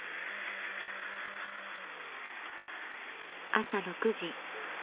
［朝６時］